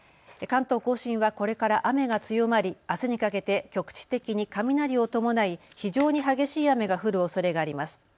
関東甲信はこれから雨が強まりあすにかけて局地的に雷を伴い非常に激しい雨が降るおそれがあります。